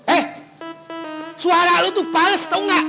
eh suara lu tuh pares tau nggak